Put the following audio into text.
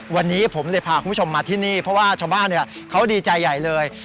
วันนี้ผมเลยพาคุณผู้ชมมาที่นี่เพราะว่าชาวบ้านเขาดีใจใหญ่เลย